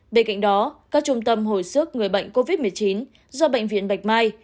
bên cạnh đó các trung tâm hồi sức người bệnh covid một mươi chín do bệnh viện bạch mai